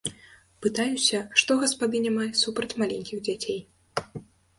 Пытаюся, што гаспадыня мае супраць маленькіх дзяцей.